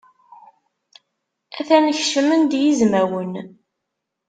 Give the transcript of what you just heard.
Atan kecmen-d yizmawen.